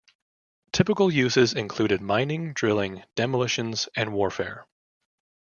Typical uses include mining, drilling, demolitions, and warfare.